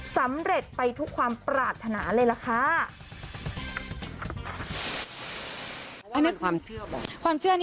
สำเร็จไปทุกความปราธนาเลย